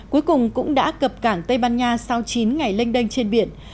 cuối cùng cũng đã cập cảng tây ban nha sau chín ngày lênh đênh trên biển